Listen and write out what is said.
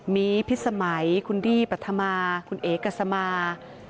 มีพิษสมัยคุณดี้ปัธมาคุณเอกัสมา